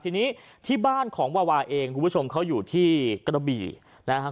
ทีนี้ที่บ้านของวาวาเองคุณผู้ชมเขาอยู่ที่กระบี่นะครับ